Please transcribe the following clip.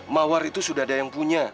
mawar itu sudah ada yang punya